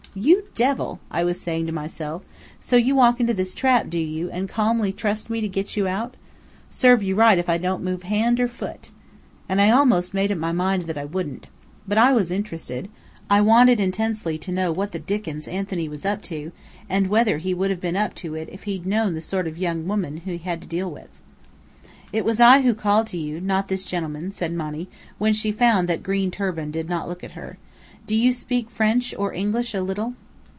"You devil!" I was saying to myself. "So you walk into this trap, do you, and calmly trust me to get you out. Serve you right if I don't move hand or foot." And I almost made up my mind that I wouldn't. But I was interested. I wanted intensely to know what the dickens Anthony was up to, and whether he would have been up to it if he'd known the sort of young woman he had to deal with. "It was I who called to you, not this gentleman," said Monny, when she found that Green Turban did not look at her. "Do you speak French or English a little?"